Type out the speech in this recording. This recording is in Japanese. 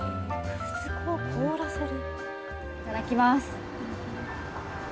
くず粉を凍らせる。